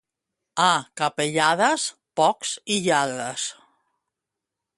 A Capellades, pocs i lladres.